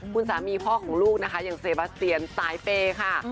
คุณสามีพ่อของลูกนะคะอย่างเซบาเซียนสายเปย์ค่ะ